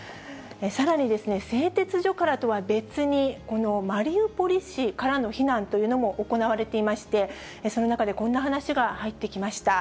さらに、製鉄所からとは別に、このマリウポリ市からの避難というのも行われていまして、その中で、こんな話が入ってきました。